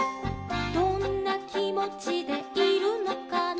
「どんなきもちでいるのかな」